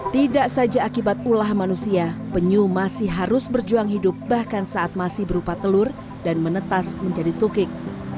tidak saja akibat ulah manusia penyu masih harus berjuang hidup bahkan saat masih berupa telur dan menetas menjadi tukik